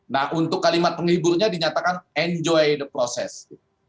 nah untuk kalimat penghiburnya dinyatakan enjoy the process